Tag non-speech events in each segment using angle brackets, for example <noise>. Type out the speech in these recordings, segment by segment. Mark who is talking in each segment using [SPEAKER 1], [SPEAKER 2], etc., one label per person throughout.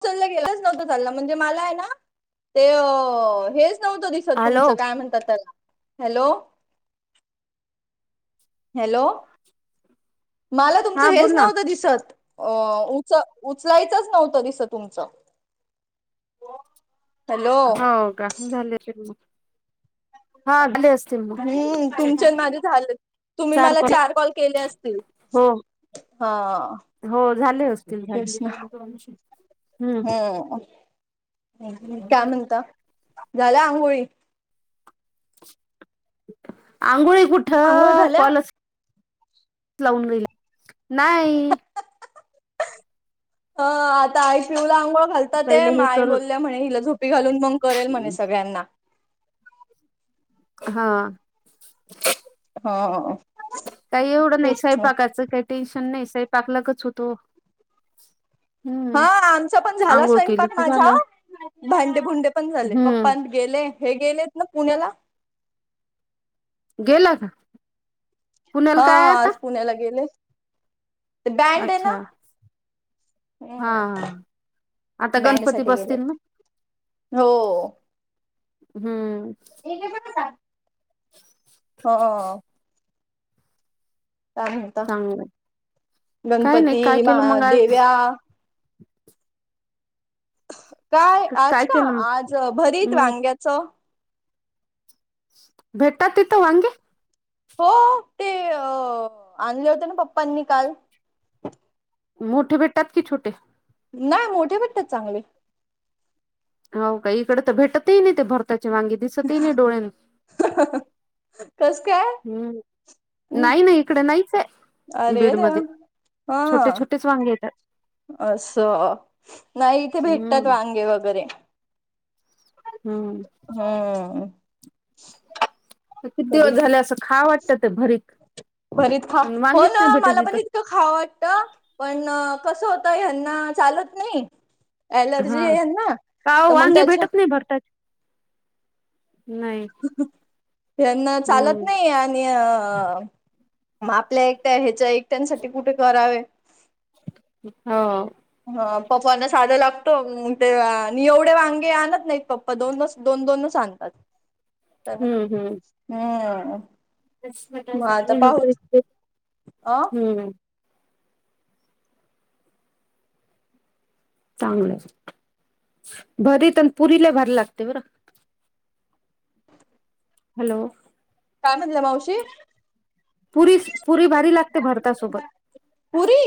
[SPEAKER 1] <unintelligible> लांब गेलाच नव्हता चालला म्हणजे मला आहे ना ते हेच नव्हतं दिस ते
[SPEAKER 2] हॅलो
[SPEAKER 1] तुमचं काय म्हणतात त्याला? Hello, hello. मला तुमचं
[SPEAKER 2] हा बोल
[SPEAKER 1] हेच
[SPEAKER 2] ना
[SPEAKER 1] नव्हतं दिसत, अ उच उचलायचंच नव्हतं दिसत तुमचं. हॅलो
[SPEAKER 2] हो का? झाले असेल मग. हा झाले असतील मग
[SPEAKER 1] आणि तुमचे आणि माझे झालेत. तुम्ही मला चार कॉल केले असतील.
[SPEAKER 2] हो
[SPEAKER 1] हा.
[SPEAKER 2] हो झाले असतील.
[SPEAKER 1] तेच ना
[SPEAKER 2] हम्म
[SPEAKER 1] हम्म काय म्हणता, झाल्या आंघोळी?
[SPEAKER 2] आंघोळी कुठ
[SPEAKER 1] आंघोळ झाल्या
[SPEAKER 2] कॉलच लावून राहिली. नाही
[SPEAKER 1] हो आता आई पिऊला आंघोळ घालतात ये,
[SPEAKER 2] पहिले
[SPEAKER 1] मग
[SPEAKER 2] हे
[SPEAKER 1] आई
[SPEAKER 2] करून
[SPEAKER 1] बोलल्या म्हणे हिला झोपी घालून मग करेल म्हणे सगळ्यांना.
[SPEAKER 2] हा.
[SPEAKER 1] हो.
[SPEAKER 2] काही एवढं नाही, सईपाकाचं काही टेन्शन नाही, सईपाक लगेच होतो. हम्म
[SPEAKER 1] हा आमचा पण झाला
[SPEAKER 2] आंघोळ केली
[SPEAKER 1] स्वयंपाक
[SPEAKER 2] की
[SPEAKER 1] माझा
[SPEAKER 2] झालं
[SPEAKER 1] भांडे भुंडे पण झाले पप्प.
[SPEAKER 2] हम्म
[SPEAKER 1] गेले हे गेलेत ना पुण्याला.
[SPEAKER 2] गेला का. पुण्याला
[SPEAKER 1] हा
[SPEAKER 2] काय आता
[SPEAKER 1] आज पुण्याला गेले. ते बँड हे ना
[SPEAKER 2] अच्छा हा
[SPEAKER 1] हम्म
[SPEAKER 2] आता गणपती
[SPEAKER 1] बँडसाठी
[SPEAKER 2] बसतील ना
[SPEAKER 1] गेलेत. हो.
[SPEAKER 2] हम्म.
[SPEAKER 1] एकच जगत जात.
[SPEAKER 2] <inaudible>
[SPEAKER 1] हो. काय म्हणता
[SPEAKER 2] चांगलं काय नाही
[SPEAKER 1] गणपती
[SPEAKER 2] काय
[SPEAKER 1] मा
[SPEAKER 2] केलं मग आज
[SPEAKER 1] देव्या. काय आज का आज भरीत
[SPEAKER 2] मग
[SPEAKER 1] वांग्याचं
[SPEAKER 2] भेटतात तिथं वांगी?
[SPEAKER 1] हो ते आणले होते ना पप्पांनी काल.
[SPEAKER 2] मोठे भेटतात की छोटे.
[SPEAKER 1] नाही मोठे भेटतात चांगले.
[SPEAKER 2] हो का इकडे तर भेटतही नाही ते भरताचे वांगी दिसतही नाही डोळे.
[SPEAKER 1] हाहह.
[SPEAKER 2] हम्म नाही नाही इकडे नाहीच आहे
[SPEAKER 1] अरे
[SPEAKER 2] बीड
[SPEAKER 1] देवा
[SPEAKER 2] मध्ये. छोटे
[SPEAKER 1] हा
[SPEAKER 2] छोटेच वांगी येतात.
[SPEAKER 1] असं नाही इथे भेटतात
[SPEAKER 2] हम्म
[SPEAKER 1] वांगे वगैरे.
[SPEAKER 2] हम्म
[SPEAKER 1] हम्म.
[SPEAKER 2] किती
[SPEAKER 1] कधी
[SPEAKER 2] दिवस झाले असं खा वाटतं ते भरीत
[SPEAKER 1] भरीत खा
[SPEAKER 2] पण
[SPEAKER 1] हो
[SPEAKER 2] वांगेच
[SPEAKER 1] ना
[SPEAKER 2] नाही भेटत
[SPEAKER 1] मला पण
[SPEAKER 2] तिथं
[SPEAKER 1] इ त खा वाटत पण कसं होतं हेन्ना चालत नाही.
[SPEAKER 2] हा
[SPEAKER 1] अलर्जी आहे यांना
[SPEAKER 2] काव
[SPEAKER 1] तर मग
[SPEAKER 2] वांगे
[SPEAKER 1] त्याच्या
[SPEAKER 2] भेटत नाही भरताची नाही.
[SPEAKER 1] ह्यांना चालत
[SPEAKER 2] हम्म
[SPEAKER 1] नाही आणि अ. मग आपल्या एकट्या ह्याच्या एकट्यांसाठी कुठे करावे.
[SPEAKER 2] हो.
[SPEAKER 1] ह पप्पना साधं लागतो ते आणि एवढे वांगे आणत नाहीत पप्प पा दोनच दोन दोनच आणतात आणताना
[SPEAKER 2] हम्म
[SPEAKER 1] हम्म.
[SPEAKER 2] हसमताई
[SPEAKER 1] मग आता
[SPEAKER 2] सफली नको
[SPEAKER 1] पाहूच
[SPEAKER 2] इथले
[SPEAKER 1] अ
[SPEAKER 2] हम्म. चांगलं भरी तर पुरीला भरायला लागते बरं. हॅलो.
[SPEAKER 1] काय म्हणल्या मावशी.
[SPEAKER 2] पुरी पुरी भारी लागते भरतासोबत
[SPEAKER 1] पुरी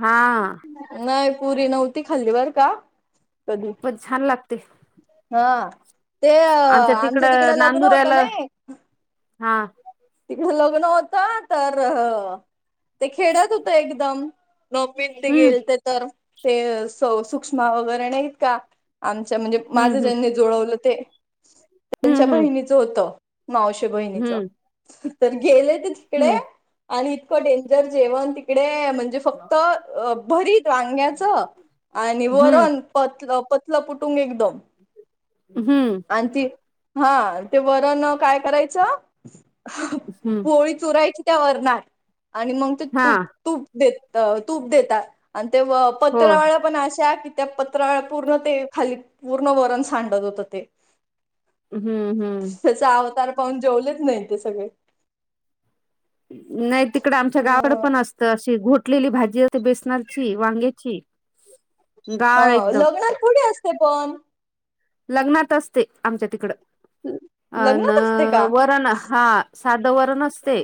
[SPEAKER 2] हा.
[SPEAKER 1] नाही पुरी नव्हती खाल्ली बरं का. कधी
[SPEAKER 2] पण छान लागते.
[SPEAKER 1] हा ते
[SPEAKER 2] आमच्या
[SPEAKER 1] आमचं तिकडे
[SPEAKER 2] तिकडं
[SPEAKER 1] लग्न होतं ना.
[SPEAKER 2] नांदुऱ्याला हा.
[SPEAKER 1] तिकडं लग्न होतं तर ते खेड्यात होत एकदम. नमीन ते
[SPEAKER 2] हम्म
[SPEAKER 1] गेल ते तर ते स सुष्मा वगैरे नाहीत का. आमच्या म्हणजे माझं
[SPEAKER 2] हम्म
[SPEAKER 1] ज्यांनी जुळवलं ते त्यांच्या
[SPEAKER 2] हम्म हम्म
[SPEAKER 1] बहिणीचं होतं. मावशी बहिणीच.
[SPEAKER 2] हम्म
[SPEAKER 1] तर गेले ते तिकडे
[SPEAKER 2] हम्म
[SPEAKER 1] आणि इतकं डेंजर जेवण तिकडे म्हणजे फक्त भरीत वांग्याच आणि
[SPEAKER 2] हम्म
[SPEAKER 1] वरण. पत पतला पुुटुंग एकदम.
[SPEAKER 2] हम्म.
[SPEAKER 1] आणि ते हा ते वरण काय करायचं.
[SPEAKER 2] हम्म
[SPEAKER 1] पोळी चुरायची त्या वरणार आणि मग ते
[SPEAKER 2] हा
[SPEAKER 1] तूप. तूप देत तूप देतात आणि ते
[SPEAKER 2] हो
[SPEAKER 1] पत्रवाळाया पण अशा की. त्या पत्रावळ्या पूर्ण ते खाली पूर्ण वरण सांडत होत ते.
[SPEAKER 2] हम्म हम्म.
[SPEAKER 1] त्याचा अवतार पाहून जेवलेच नाही ते सगळे.
[SPEAKER 2] नाही तिकड आमच्या गावाड
[SPEAKER 1] ह
[SPEAKER 2] पण असतं अशी घोटलेली भाजी अस बेसनाची वांग्याची.
[SPEAKER 1] हा
[SPEAKER 2] गाळ एकदम
[SPEAKER 1] लग्नात कुठे असते पण.
[SPEAKER 2] लग्नात असते आमच्या तिकडं. अ न
[SPEAKER 1] लग्नात असते का
[SPEAKER 2] वरण हा साधं वरण असते.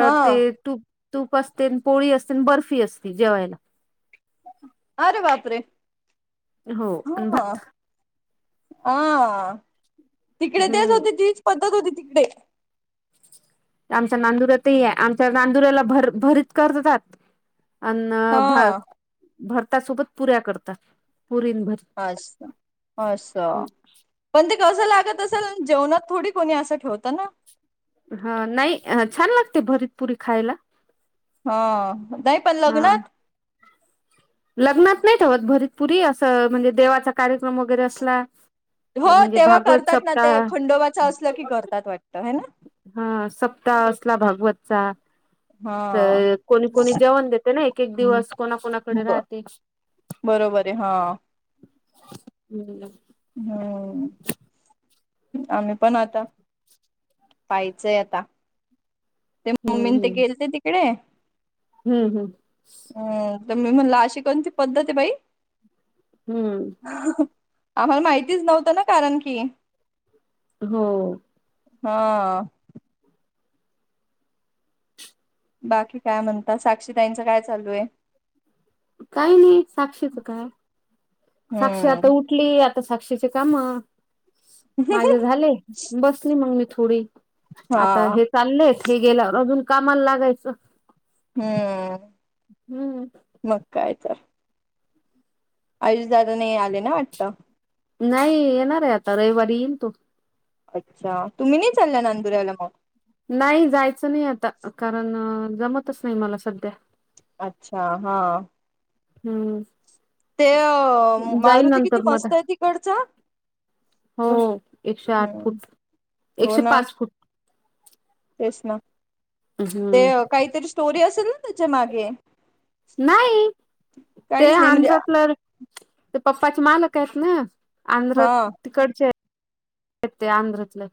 [SPEAKER 1] हा
[SPEAKER 2] ते तूप तूप असतेन पोळी असते बर्फी असते जेवायला.
[SPEAKER 1] अरे बाप रे.
[SPEAKER 2] हो आण भा
[SPEAKER 1] हा तिकडे तेच
[SPEAKER 2] हम्म
[SPEAKER 1] होती तीच पद्धत होती तिकडे.
[SPEAKER 2] आमच्या नांदुर्यातही आहे आमच्या नांदुर्याला भर भरीत करतात. अन भात
[SPEAKER 1] हा
[SPEAKER 2] भरतासोबत पुऱ्या करतात पुरी अन भरत.
[SPEAKER 1] असं असं पण ते कसं लागत असेल जेवणात थोडी कोणी असं ठेवता न.
[SPEAKER 2] हा नाही ह छान लागते भरीत पुरी खायला.
[SPEAKER 1] हा नाही पण
[SPEAKER 2] हा
[SPEAKER 1] लग्नात.
[SPEAKER 2] लग्नात नाही ठेवत भरीत पुरी अस म्हणजे देवाच. कार्यक्रम वगैरे असला तर म्हणजे भागवत सप्ताह.
[SPEAKER 1] खंडोबाचं असं ल की करतात वाटतं हाय ना?
[SPEAKER 2] हा सप्ताह असला भागवतचा
[SPEAKER 1] हा
[SPEAKER 2] तर कोणी कोणी जेवण देत ते ना एक एक दिवस कोणा कोणाकडे
[SPEAKER 1] ब
[SPEAKER 2] राहते.
[SPEAKER 1] बरोबर आहे हा
[SPEAKER 2] हम्म.
[SPEAKER 1] हम्म. आम्ही पण आता पाहिचय आता. ते
[SPEAKER 2] हम्म
[SPEAKER 1] मम्मी अन ते गेलते तिकडे.
[SPEAKER 2] हम्म हम्म.
[SPEAKER 1] अ तर मी म्हणला अशी कोणती पद्धत आहे बाई.
[SPEAKER 2] हम्म.
[SPEAKER 1] आम्हाला माहितीच नव्हतं न कारण की.
[SPEAKER 2] हो.
[SPEAKER 1] हा. बाकी काय म्हणतात साक्षीताईंचं काय चालू आहे.
[SPEAKER 2] काही नाही साक्षीच काय साक्षी आता
[SPEAKER 1] हम्म
[SPEAKER 2] उठ टली आता साक्षीचे काम माझे झाले बसली मग मी थोडी. आता
[SPEAKER 1] हा
[SPEAKER 2] हे चाललंय हे गेल्यावर अजून कामाला लागायचं.
[SPEAKER 1] हम्म.
[SPEAKER 2] हम्म.
[SPEAKER 1] म काय तर. आयुष दादा नाही आले ना वाटतं.
[SPEAKER 2] नाही येणार आहे आता रविवारी येईल तो.
[SPEAKER 1] अच्छा तुम्ही नाही चालला नांदुर्याला मग?
[SPEAKER 2] नाही जायच नाही आता कारण जमतच नाही मला सध्या.
[SPEAKER 1] अच्छा हा.
[SPEAKER 2] हम्म.
[SPEAKER 1] ते
[SPEAKER 2] जाईल
[SPEAKER 1] मारुती किती
[SPEAKER 2] नंतर मग
[SPEAKER 1] मस्त आहे तिकडचा.
[SPEAKER 2] हो एकशे आठ
[SPEAKER 1] हम्म,
[SPEAKER 2] फूट
[SPEAKER 1] हो
[SPEAKER 2] एकशे
[SPEAKER 1] ना
[SPEAKER 2] पाच फूट.
[SPEAKER 1] तेच ना ते
[SPEAKER 2] हम्म
[SPEAKER 1] काहीतरी स्टोरी असेल ना त्याच्या मागे
[SPEAKER 2] नाही ते
[SPEAKER 1] काहीच नाही म्हणजे
[SPEAKER 2] आंध्रातलं ते पप्पाचे मालक आहेत ना आंध्र
[SPEAKER 1] हा
[SPEAKER 2] तिकडच्या इथे आंध्रातलं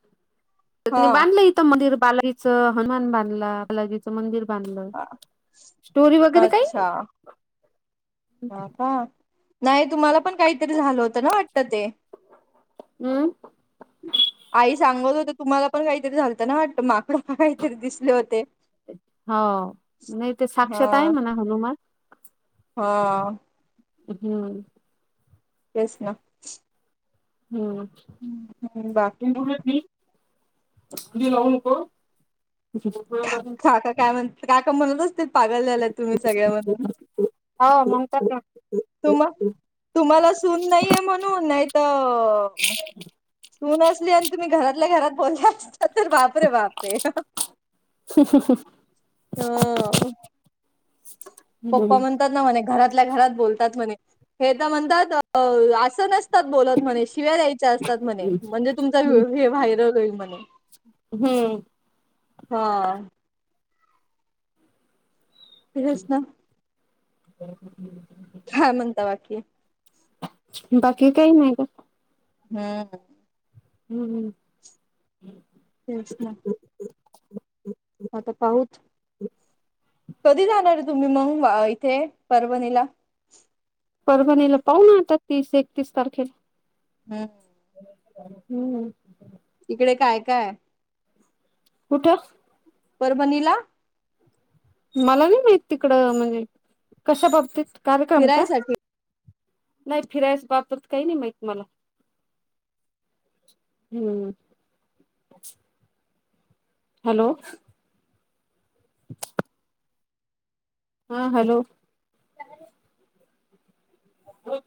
[SPEAKER 1] हा
[SPEAKER 2] तरनी बांधलं इथं मंदिर बालाईचं हनुमान बांधला बालाजीचं मंदिर बांधलं
[SPEAKER 1] अ-
[SPEAKER 2] स्टोरी वगैरे काही नाही.
[SPEAKER 1] हो का नाही तुम्हाला पण काहीतरी झालं होतं ना वाटत ते.
[SPEAKER 2] मम्म.
[SPEAKER 1] <inaudible> आई सांगत होते तुम्हाला पण काहीतरी झाल होतं ना वाटत माकड काहीतरी दिसले होते
[SPEAKER 2] हो नाही ते
[SPEAKER 1] हा
[SPEAKER 2] साक्षात आहे म्हणा हनुमान
[SPEAKER 1] हा
[SPEAKER 2] हम्म
[SPEAKER 1] येस ना
[SPEAKER 2] हम्म
[SPEAKER 1] हम्म, बाकी
[SPEAKER 2] <unintelligible>
[SPEAKER 1] काका काय म्हण काका म्हणत असतील पागल झालात तुम्ही सगळ्या जण
[SPEAKER 2] हो म्हणतात ना
[SPEAKER 1] तुमा तुम्हाला सून नाहीये म्हणून नाही तर सून असली आणि तुम्ही घरातल्या घरात बोलला अस ता तर बाप रे बापे रे हो
[SPEAKER 2] <inaudible>
[SPEAKER 1] पप्पा म्हणतात ना म्हणे घरातल्या घरात बोलतात म्हणे हे तर म्हणतात असं नस बोलत म्हणे शिव्या यायच्या असतात म्हणे म्हणजे तुमचा व्हायरल होईल म्हणे
[SPEAKER 2] हम्म
[SPEAKER 1] हा ते हेच ना
[SPEAKER 2] <unintelligible>
[SPEAKER 1] हाय म्हणता बाकी
[SPEAKER 2] बाकी काही नाही ग
[SPEAKER 1] हम्म
[SPEAKER 2] हम्म हम्म
[SPEAKER 1] तेच ना आता पाहूच कधी जाणार आहे तुम्ही मंग इथे परभणीला
[SPEAKER 2] परभणीला पाहू ना आता तीस एकतीस तारखेला
[SPEAKER 1] हम्म
[SPEAKER 2] हम्म
[SPEAKER 1] इकडे काय काय
[SPEAKER 2] कुठं
[SPEAKER 1] परभणीला
[SPEAKER 2] मला नाही माहित तिकडं म्हणजे कशा बाबतीत कार्यक्रम का?
[SPEAKER 1] फिरायसाठी
[SPEAKER 2] नई फिरायच्या बाबतीत काही नाही माहित तुम्हाला? हम्म हॅलो <inaudible> हा हॅलो होय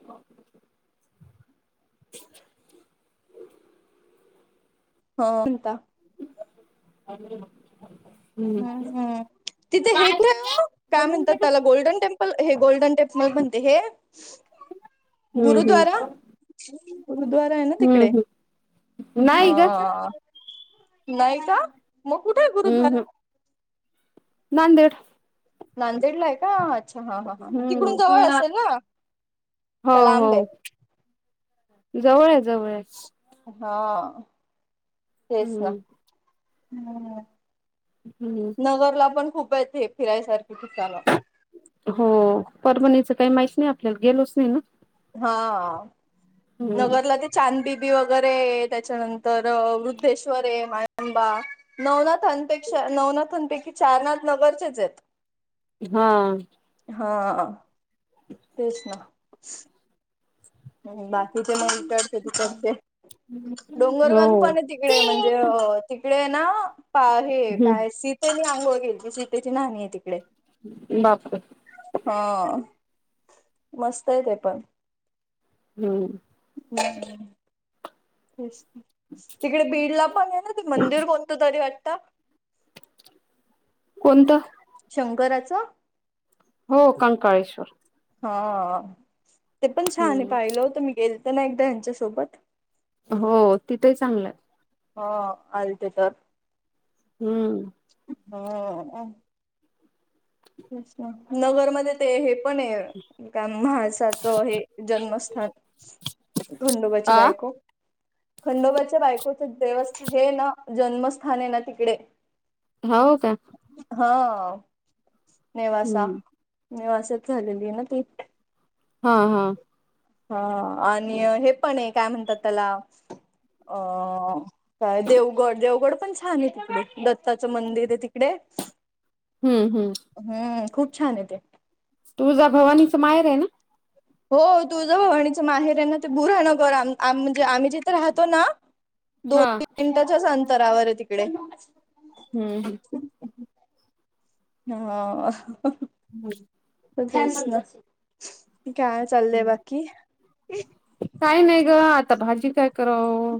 [SPEAKER 1] हो म्हणता
[SPEAKER 2] <unintelligible>
[SPEAKER 1] हम्म हम्म तिथे हे करून म काय
[SPEAKER 2] हम्म
[SPEAKER 1] म्हणतात त्याला golden temple golden temple म्हणते हे.
[SPEAKER 2] हम्म
[SPEAKER 1] गुरुद्वारा गुरुद्वारा आहे ना
[SPEAKER 2] हम्म
[SPEAKER 1] तिकडे
[SPEAKER 2] हम्म
[SPEAKER 1] हा
[SPEAKER 2] नाही ग
[SPEAKER 1] हा. नाही का मग कुठे आहे
[SPEAKER 2] हम्म
[SPEAKER 1] गुरुद्वारा?
[SPEAKER 2] हम्म नांदेड
[SPEAKER 1] नांदेडला आहे का अच्छा हा हा हा तिकडून जवळ
[SPEAKER 2] हम्म
[SPEAKER 1] असेल ना
[SPEAKER 2] हो
[SPEAKER 1] का
[SPEAKER 2] हो
[SPEAKER 1] लांब आहे?
[SPEAKER 2] जवळ आहे जवळ आहे
[SPEAKER 1] हा तेच ना
[SPEAKER 2] हम्म
[SPEAKER 1] हम्म
[SPEAKER 2] हम्म
[SPEAKER 1] नगरला पण खूप आहेेत फिरायसाठी ठिकाणं
[SPEAKER 2] हो परभणीचं काय माहीतच नाही आपल्याला, गेलोच नाही ना.
[SPEAKER 1] हा
[SPEAKER 2] हम्म
[SPEAKER 1] नगरला ते चांदबिबी वगैरे त्याच्यानंतर वृद्धेश्वर आहे माहिन बा नवनाथांपेक्षा नवनाथांपैकी चारनाथ नगरचेच आहेत.
[SPEAKER 2] हा.
[SPEAKER 1] हा.
[SPEAKER 2] <unintelligible>
[SPEAKER 1] तेच ना. बाकीचे मग इकडते तिकडचे डोंगर
[SPEAKER 2] हो
[SPEAKER 1] का पाणी ते तिकडे अ म्हणजे तिकडे ना पा हे काय
[SPEAKER 2] हम्म
[SPEAKER 1] सी तिथे मी आंघोळ गेल की सीतेची नाहणी आहे तिकडे.
[SPEAKER 2] बाप्पं
[SPEAKER 1] हा मस्त आहे ते पण.
[SPEAKER 2] हम्म.
[SPEAKER 1] <unintelligible> तिकडे बीड ला पण आहे ना ते मंदिर कोणतं तरी वाटतं
[SPEAKER 2] कोणतं
[SPEAKER 1] शंकराचा
[SPEAKER 2] हो कंकाळेश्वर
[SPEAKER 1] हा ते पण छान आहे
[SPEAKER 2] हम्म
[SPEAKER 1] पाहिलं होतं मी गेलतो ना एकदा ह्यांच्यासोबत.
[SPEAKER 2] हो तिथे चांगलं आहे.
[SPEAKER 1] हो आलते तर
[SPEAKER 2] हम्म.
[SPEAKER 1] हाव ना. तेच ना नगरमध्ये ते हे पण आहे काय महायसाचं हे जन्मस्थान खंडोबाची
[SPEAKER 2] आ
[SPEAKER 1] बायको खंडबोच्या बायकोच देवस्थ हे ना जन्मस्थान आहे ना तिकडे.
[SPEAKER 2] हाव का?
[SPEAKER 1] हा नेवासा
[SPEAKER 2] हम्म
[SPEAKER 1] नेवासच झालेली ना ती.
[SPEAKER 2] हा हा.
[SPEAKER 1] हा आणि हे पण आहे काय म्हणतात त्याला अ काय देवगड देवगड पण छान आहे तिकडे दत्ताचं मंदिर आहे तिकडे.
[SPEAKER 2] हम्म हम्म.
[SPEAKER 1] हम्म खूप छान आहे ते.
[SPEAKER 2] तुळजा भवानीचा माहेर आहे ना.
[SPEAKER 1] हो तुळजा भवाणीचा माहेर आहे ना ते भुरानगर आम आम म्हणजे आम्ही जिथे राहतो ना
[SPEAKER 2] हा
[SPEAKER 1] दोन <inaudible> मिनिटाच्याच अंतरावर आहे तिकडे.
[SPEAKER 2] हम्म हम्म.
[SPEAKER 1] हा.
[SPEAKER 2] हम्म.
[SPEAKER 1] तेच ना मग काय सांग चालय
[SPEAKER 2] हम्म
[SPEAKER 1] बाकी?
[SPEAKER 2] काय नाही ग आता भाजी काय कराव?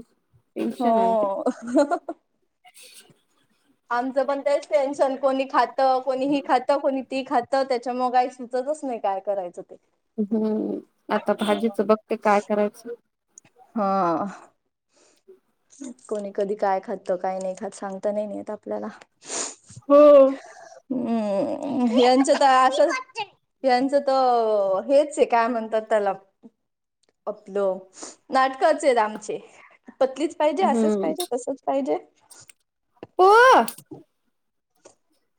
[SPEAKER 1] हो
[SPEAKER 2] टेन्शन आहे
[SPEAKER 1] आमचं पण तेच टेन्शन कोणी खातं कोणी ही खातं कोणी ती खातं त्याच्या मग काही सुचतच नाही काय करायचं ते.
[SPEAKER 2] हम्म आता भाजीचं बघते काय करायचं?
[SPEAKER 1] हा.
[SPEAKER 2] <inaudible>
[SPEAKER 1] कोणी कधी काय खातं काय नाही खात सांगता नाही येत आपल्याला.
[SPEAKER 2] हो
[SPEAKER 1] हम्म यांचं तर असंच यांचं तर हेच आहे काय म्हणतात त्याला आपलं नाटकचं आमचे पतलीच पाहिजे असंच
[SPEAKER 2] हम्म
[SPEAKER 1] पाहिजे तसच पाहिजे.
[SPEAKER 2] प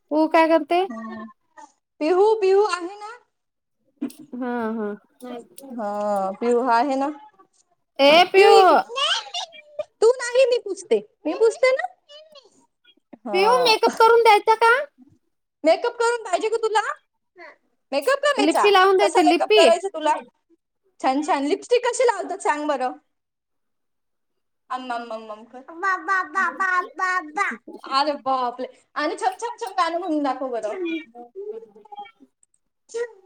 [SPEAKER 2] पू काय करते?
[SPEAKER 1] पिहू पिहू आहे ना?
[SPEAKER 2] हा हा.
[SPEAKER 1] हा पिहू आहे ना.
[SPEAKER 2] ए पिऊ
[SPEAKER 1] <unintelligible>
[SPEAKER 2] पिहू मेकअप करून देत.
[SPEAKER 1] मेकअप करून पाहिजे गं तुला? मेकअप करायचा
[SPEAKER 2] लिप्पी लावून
[SPEAKER 1] कसा
[SPEAKER 2] द्यायची
[SPEAKER 1] मेकअप
[SPEAKER 2] लिप्पी
[SPEAKER 1] करायच तुला? छान छान लिपस्टिक कशी लावतात सांग बरं आम आम आम कर. <unintelligible> छम गान म्हणून दाखव गं द.
[SPEAKER 2] <inaudible>
[SPEAKER 1] <unintelligible>